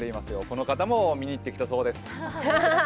この方も見に行ってきたそうです。